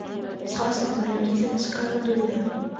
ځغاسته د بریالي ذهن ښکارندوی ده